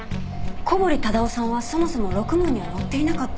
小堀忠夫さんはそもそもろくもんには乗っていなかった。